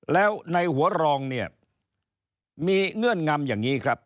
แล้วในหัวรองเนี่ยมีเงื่อนงำอย่างนี้ครับ